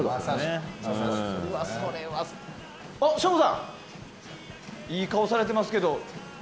省吾さんいい顔されてますけど。